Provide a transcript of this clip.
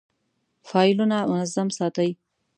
فایلونه منظم ساتئ؟